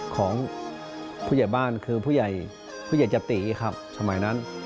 ของผู้ใหญ่บ้านคือผู้ใหญ่จติครับ